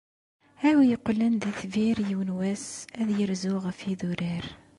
A wi yeqqlen d itbir yiwen wass, ad yerzu ɣef yidurar.